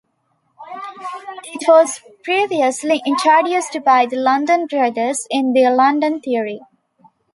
It was previously introduced by the London brothers in their London theory.